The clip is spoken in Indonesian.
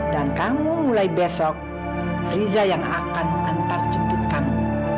dan kamu mulai besok riza yang akan antar jemput kamu